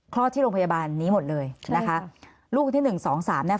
คลอดที่โรงพยาบาลนี้หมดเลยนะคะลูกคนที่๑๒๓นะคะ